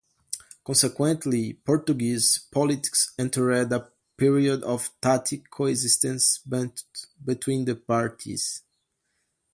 Consequently, Portuguese politics entered a period of tacit coexistence between the parties.